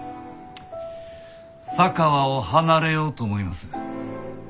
佐川を離れようと思います。